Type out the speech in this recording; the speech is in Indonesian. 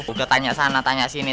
udah tanya sana tanya sini